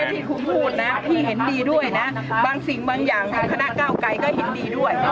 ที่คุณพูดนะพี่เห็นดีด้วยนะบางสิ่งบางอย่างทางคณะเก้าไกรก็เห็นดีด้วย